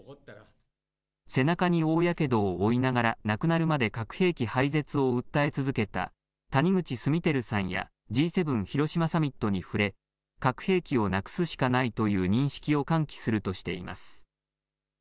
背中に大やけどを負いながら、亡くなるまで核兵器廃絶を訴え続けた谷口稜曄さんや、Ｇ７広島サミットに触れ、核兵器をなくすしかないという認識を喚起するとしています。